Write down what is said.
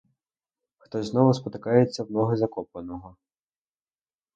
Хтось знову спотикається об ноги закопаного.